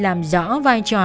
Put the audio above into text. làm rõ vai trò